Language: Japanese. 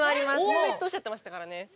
大上っておっしゃってましたからね。